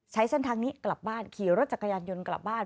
ใช้เส้นทางนี้กลับบ้านขี่รถจักรยานยนต์กลับบ้าน